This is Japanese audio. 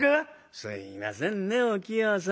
すいませんねお清さん。